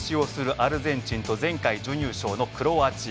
アルゼンチンと前回準優勝のクロアチア。